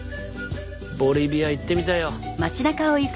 ボリビア行ってみたいよ。